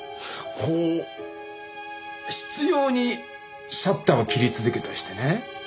こう執拗にシャッターを切り続けたりしてね。